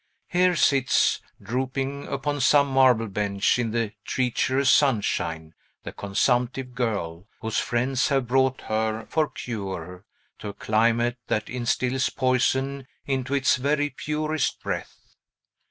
Here sits (drooping upon some marble bench, in the treacherous sunshine) the consumptive girl, whose friends have brought her, for cure, to a climate that instils poison into its very purest breath.